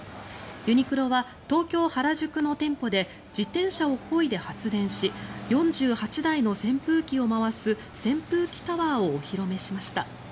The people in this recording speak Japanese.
ユニクロは東京・原宿の店舗で自転車をこいで発電し４８代の扇風機を回す扇風機タワーをお披露目しました。